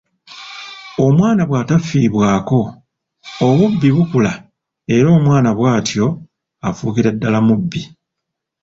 "Omwana bw'atafiibwako, obubbi bukula era omwana bw'atyo afuukira ddala mubbi."